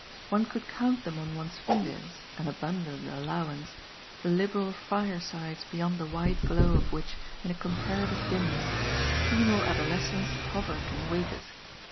One could count them on one's fingers (an abundant allowance), the liberal firesides beyond the wide glow of which, in a comparative dimness, female adolescence hovered and waited.